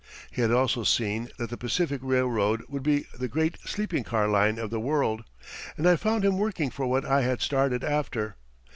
He had also seen that the Pacific Railroad would be the great sleeping car line of the world, and I found him working for what I had started after.